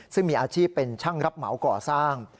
ซึ่งมีอาชีพเป็นช่างรับเหมาก่อสร้าง